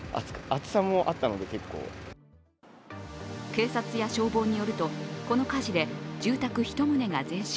警察や消防によると、この火事で住宅１棟が全焼。